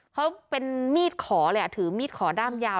เขาเป็นมีดขอเลยถือมีดขอด้ามยาว